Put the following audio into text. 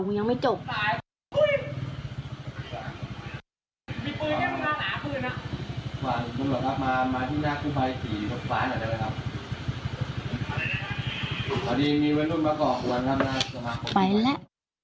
อันนี้มีวัยรุ่นมาก่อวัน๕๖ฟ้าไปแล้ว